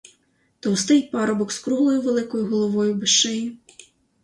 Товстий парубок з круглою великою головою без шиї.